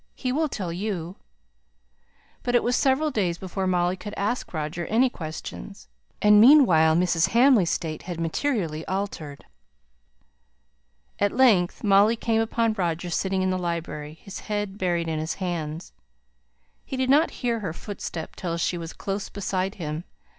He will tell you." But it was several days before Molly could ask Roger any questions; and meanwhile Mrs. Hamley's state had materially altered. At length Molly came upon Roger sitting in the library, his head buried in his hands. He did not hear her footstep till she was close beside him.